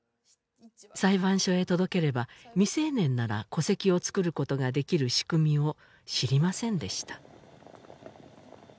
裁判所へ届ければ未成年なら戸籍を作ることができる仕組みを知りませんでした